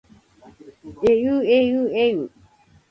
えうえうえう